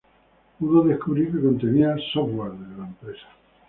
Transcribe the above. pudo descubrir que contenía software de la empresa